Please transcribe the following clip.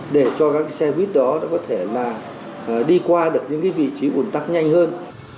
để cho các xe buýt đó có thể đi qua được những vị trí ổn tắc nhanh hơn